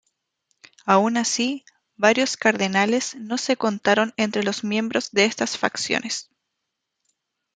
Aun así, varios cardenales no se contaron entre los miembros de estas facciones.